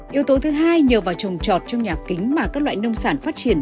yếu tố thứ hai nhờ vào trồng trọt trong nhà kính mà các loại nông sản phát triển